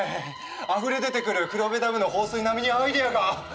あふれ出てくる黒部ダムの放水並みにアイデアが。